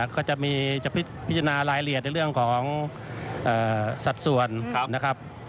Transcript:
ก็จะมีจะพิจารณารายละเอียดในเรื่องของสัดส่วนนะครับ